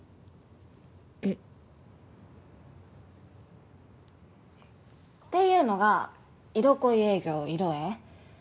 えっ？っていうのが色恋営業色営。